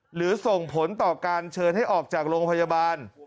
หรือส่งผลต่อการเชิญให้ออกจากโรงพยาบาล